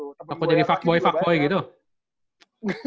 takut jadi fuckboy fuckboy gitu